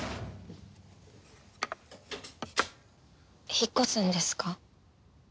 引っ越すんですか？